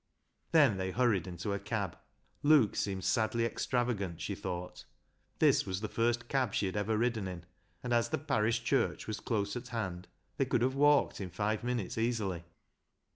Then they hurried into a cab. Luke seemed sadly extravagant, LEAH'S LOVER 99 she thought. This was the first cab she had ever ridden in, and as the parish church was close at hand, they could have walked in five minutes easily.